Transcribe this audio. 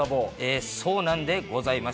そうなんでございます。